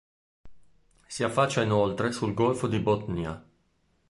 Si affaccia inoltre sul Golfo di Botnia.